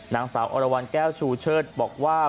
นางสาวอรวรรณแก้วชูเชิดบอกว่า